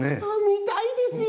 みたいですよ。